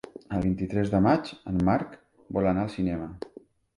El vint-i-tres de maig en Marc vol anar al cinema.